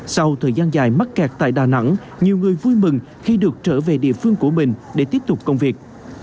sau thời gian dài mắc kẹt tại đà nẵng nhiều người vui mừng khi được trở về địa phương của mình để tiếp tục công việc